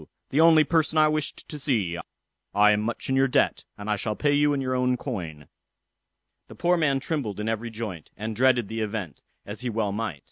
the only person I wished to see: I am much in your debt, and I shall pay you all in your own coin." The poor man trembled in every joint, and dreaded the event, as he well might.